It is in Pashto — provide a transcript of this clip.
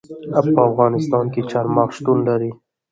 په افغانستان کې چار مغز شتون لري.